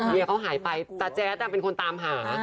เขาหายไปตาแจ๊ดเป็นคนตามหา